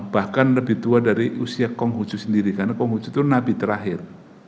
bahkan lebih tua dari usia konghucu sendiri karena konghucu itu nabi terakhir